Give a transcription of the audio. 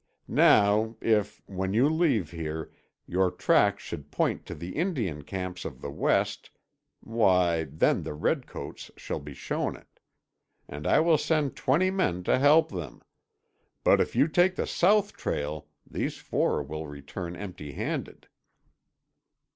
Now, if, when you leave here, your tracks should point to the Indian camps of the west—why, then the redcoats shall be shown it. And I will send twenty men to help them. But if you take the south trail these four will return empty handed."